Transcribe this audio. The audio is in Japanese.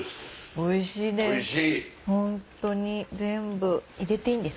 おいしいです